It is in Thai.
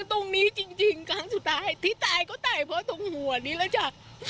ตรงนี้จริงครั้งสุดท้ายที่ตายก็ตายเพราะตรงหัวนี้แล้วจ้ะ